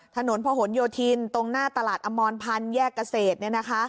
ถนนพะหนโยธินตรงหน้าตลาดอมรพันธ์แยกเกษตร